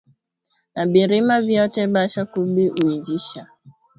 Na birima byote basha kubi uijisha